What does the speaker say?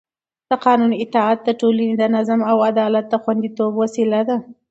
د قانون اطاعت د ټولنې د نظم او عدالت د خونديتوب وسیله ده